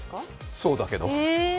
そうだけど。